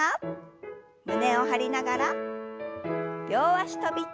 胸を張りながら両脚跳び。